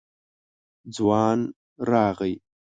ځوان راغی.